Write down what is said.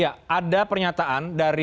ya ada pernyataan dari